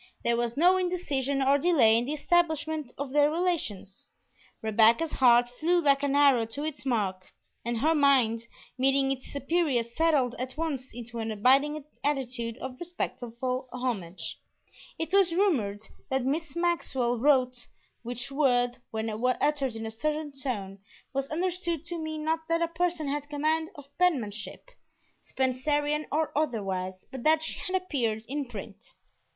There was no indecision or delay in the establishment of their relations; Rebecca's heart flew like an arrow to its mark, and her mind, meeting its superior, settled at once into an abiding attitude of respectful homage. It was rumored that Miss Maxwell "wrote," which word, when uttered in a certain tone, was understood to mean not that a person had command of penmanship, Spencerian or otherwise, but that she had appeared in print.